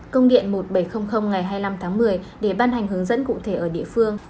công điện một nghìn bảy trăm linh ngày hai mươi năm tháng một mươi để ban hành hướng dẫn cụ thể ở địa phương